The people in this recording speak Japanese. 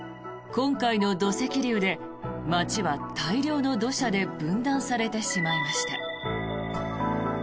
今回の土石流で街は大量の土砂で分断されてしまいました。